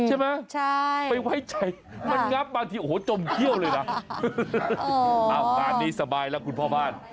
ใช่ไหมไปไว้ใจมันงับบางทีโอ้โหจมเขี้ยวเลยนะเอางานนี้สบายแล้วคุณพ่อบ้าน